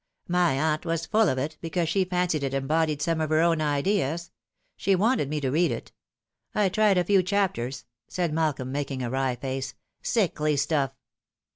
My aunt was full of it, because she fancied it embodied some of her own ideas. She wanted me to read it. I tried a few chapters," said Malcolm, making a wry face. " Sickly stuff."